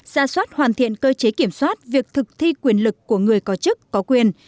ra soát hoàn thiện cơ chế kiểm soát việc thực thi quyền lực của người có chức có quyền